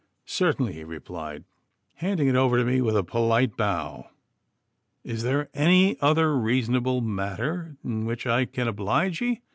'Certainly,' he replied, handing it over to me with a polite bow. 'Is there any other reasonable matter in which I can oblige ye?